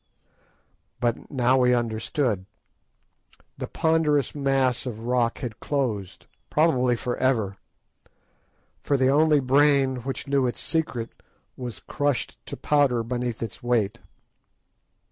But now we understood. The ponderous mass of rock had closed, probably for ever, for the only brain which knew its secret was crushed to powder beneath its weight.